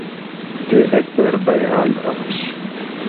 تے اکبر بیاۤل آش